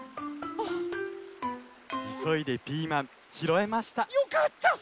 いそいでピーマンひろえました。よかった！